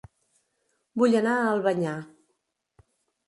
Vull anar a Albanyà